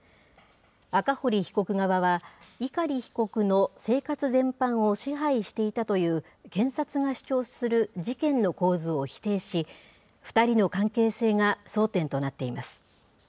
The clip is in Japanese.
赤堀被告側は、碇被告の生活全般を支配していたという検察が主張する事件の構図を否定し、２人の関係性が争点となっています。